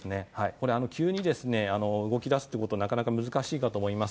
急に動き出すことはなかなか難しいかと思います。